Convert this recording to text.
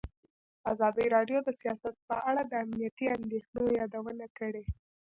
ازادي راډیو د سیاست په اړه د امنیتي اندېښنو یادونه کړې.